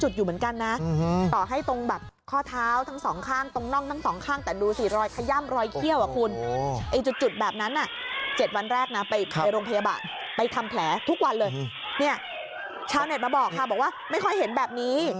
ทุกวันเลยเนี่ยชาวเน็ตมาบอกค่ะบอกว่าไม่ค่อยเห็นแบบนี้